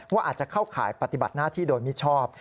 ว่าอาจจะเข้าข่ายปฏิบัติหน้าที่โดยมิชอบ